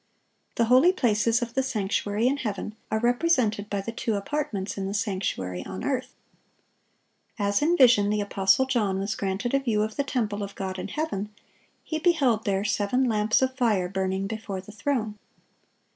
The holy places of the sanctuary in heaven are represented by the two apartments in the sanctuary on earth. As in vision the apostle John was granted a view of the temple of God in heaven, he beheld there "seven lamps of fire burning before the throne."